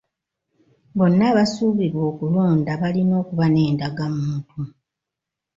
Bonna abasuubira okulonda balina okuba n'endagamuntu.